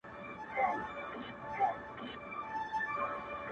o زه خاندم ، ته خاندې ، دى خاندي هغه هلته خاندي.